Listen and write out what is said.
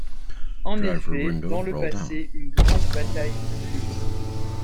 En effet, dans le passé, une grande bataille eut lieu.